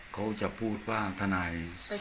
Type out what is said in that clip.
เค้าจะพูดว่าทนายสุข